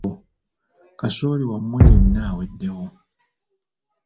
Kasooli wamwe yenna aweddewo!